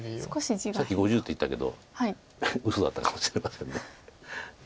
さっき５０って言ったけどうそだったかもしれません。